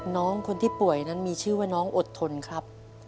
น้องคนที่ป่วยนั้นมีชื่อว่าน้องอดทนครับ